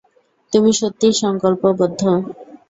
তুমি সত্যিই সংকল্পবদ্ধ।